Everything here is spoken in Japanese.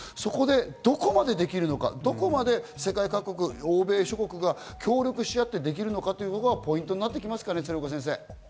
どこまでできるのか、どこまで世界各国、欧米諸国が協力しあってできるのかというのがポイントになってきますか？